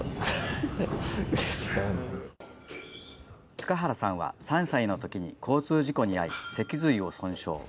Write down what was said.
塚原さんは３歳のときに交通事故に遭い、脊髄を損傷。